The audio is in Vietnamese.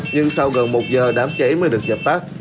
nhưng sau gần một giờ đám cháy mới được dập tắt